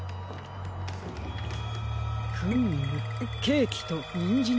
フームケーキとにんじんのえですか。